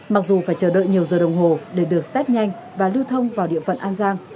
mặc dù phải chờ đợi nhiều giờ đồng hồ để được test nhanh và lưu thông vào địa phận an giang